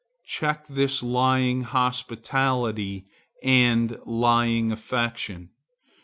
Check this lying hospitality and lying affection.